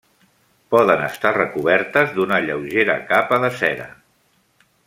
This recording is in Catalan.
Poden estar recobertes d'una lleugera capa de cera.